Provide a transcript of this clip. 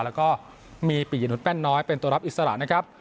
แล้วก็มีปิยนุษแป้นน้อยเป็นตัวรับอิสระนะครับ